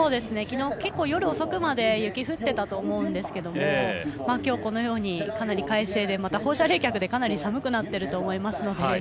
きのう、夜遅くまで雪降ってたと思うんですけどきょう、このようにかなり快晴でそして、放射冷却でかなり寒くなっていると思いますので